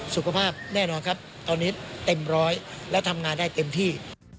สุขภาพแน่นอนครับตอนนี้เต็มร้อยแล้วทำงานได้เต็มที่